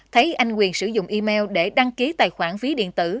thấy anh quyền sử dụng email để đăng ký tài khoản ví điện tử